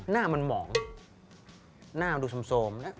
หน้ามันหมองหน้ามันดูสมแล้ว